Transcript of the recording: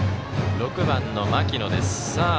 ６番の牧野です。